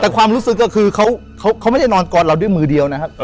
แต่ความรู้สึกก็คือเขาไม่ได้นอนกอดเราด้วยมือเดียวนะครับ